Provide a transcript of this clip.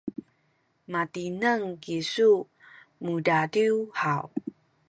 matineng kisu mudadiw haw?